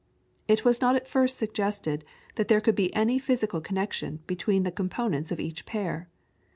It was not at first suggested that there could be any physical connection between the components of each pair.